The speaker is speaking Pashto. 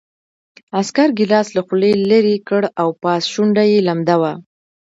عسکر ګیلاس له خولې لېرې کړ او پاس شونډه یې لمده وه